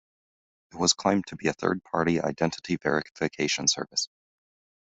It was claimed to be a third-party identity verification service.